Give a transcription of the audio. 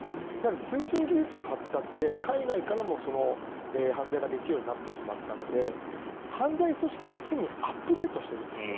通信技術の発達で海外からも犯罪ができるようになってしまったので犯罪組織は常にアップデートしてるんですよ。